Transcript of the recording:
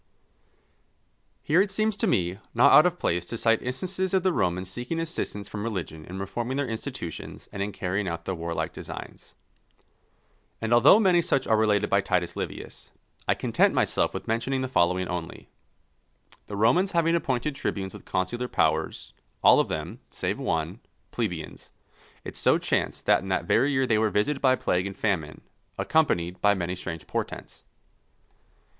_ Here it seems to me not out of place to cite instances of the Romans seeking assistance from religion in reforming their institutions and in carrying out their warlike designs. And although many such are related by Titus Livius, I content myself with mentioning the following only: The Romans having appointed tribunes with consular powers, all of them, save one, plebeians, it so chanced that in that very year they were visited by plague and famine, accompanied by many strange portents.